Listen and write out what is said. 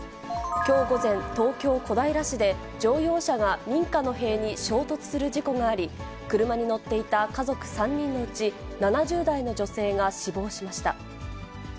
きょう午前、東京・小平市で乗用車が民家の塀に衝突する事故があり、車に乗っていた家族３人のうち７０代の女性が死亡しました。